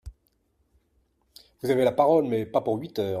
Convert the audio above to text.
Vous avez la parole, mais pas pour huit heures